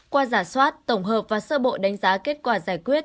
qua giả soát tổng hợp và sơ bộ đánh giá kết quả giải quyết